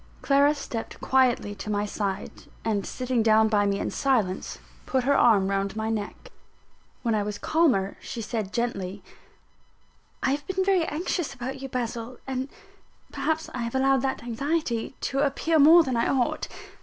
Clara stepped quietly to my side; and sitting down by me in silence, put her arm round my neck. When I was calmer, she said gently: "I have been very anxious about you, Basil; and perhaps I have allowed that anxiety to appear more than I ought.